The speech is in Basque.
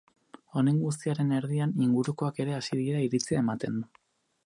Honen guztiaren erdian, ingurukoak ere hasi dira iritzia ematen.